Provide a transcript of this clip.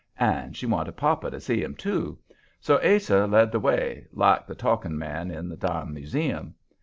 And she wanted papa to see 'em, too, so Ase led the way, like the talking man in the dime museum.